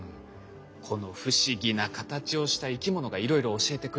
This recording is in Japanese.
この不思議な形をした生き物がいろいろ教えてくれるんですって。